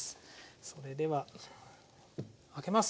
それでは開けます！